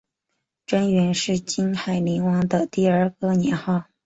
贞元是金海陵王的第二个年号。